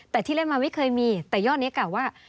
แต่ที่เล่นมาไม่เคยมีแต่ยอดนี้กล่าวว่า